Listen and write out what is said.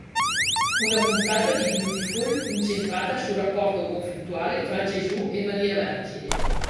Una puntata di "Beautiful" incentrata sul rapporto conflittuale tra "Gesù" e "Maria Vergine".